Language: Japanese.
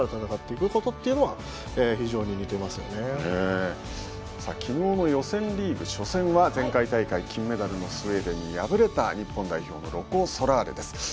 ターゲット競技であることとそうした戦術を共有しながら戦うことというのはきのうの予選リーグ初戦は前回大会、金メダルのスウェーデンに敗れた日本代表のロコ・ソラーレです。